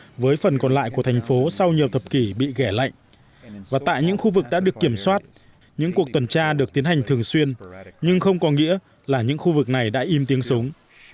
những khu ổ chuột còn lại của thành phố sau nhiều thập kỷ bị ghẻ lạnh và tại những khu vực đã được kiểm soát những cuộc tuần tra được tiến hành thường xuyên nhưng không có nghĩa là những khu vực này đã im tiếng súng